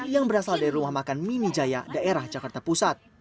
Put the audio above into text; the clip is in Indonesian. yang berasal dari rumah makan minijaya daerah jakarta pusat